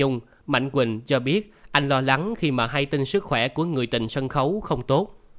ông mạnh quỳnh cho biết anh lo lắng khi mà hay tinh sức khỏe của người tình sân khấu không tốt